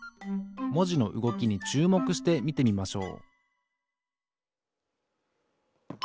もじのうごきにちゅうもくしてみてみましょう